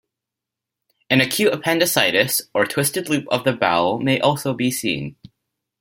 An acute appendicitis or twisted loop of the bowel may also be seen.